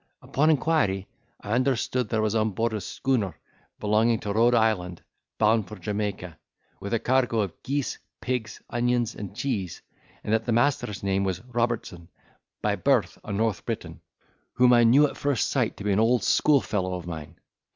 Upon inquiry, I understood that I was on board of a schooner belonging to Rhode Island, bound for Jamaica, with a cargo of geese, pigs, onions, and cheese, and that the master's name was Robertson, by birth a North Briton, whom I knew at first sight to be an old school fellow of mine.